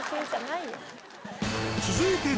続いての。